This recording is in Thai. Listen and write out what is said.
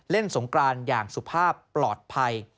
สงกรานอย่างสุภาพปลอดภัย